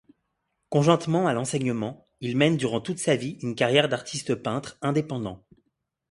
Conjointement à l'enseignement, il mène durant toute sa vie une carrière d'artiste peintre indépendant.